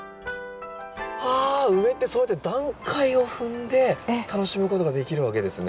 はあウメってそうやって段階を踏んで楽しむことができるわけですね。